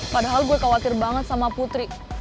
padahal gue khawatir banget sama putri